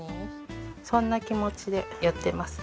そんな気持ちでやってます。